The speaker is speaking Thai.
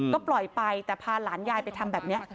ก็ปล่อยไปแต่พาหลานยายไปทำแบบนี้